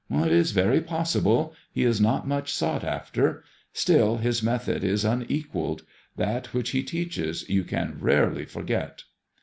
"It is very possible He is not much sought after. Still his method is unequalled. That 94 MADIMOISSLLX which he teaches you can rarely forget."